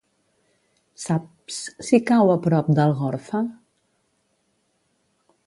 Saps si cau a prop d'Algorfa?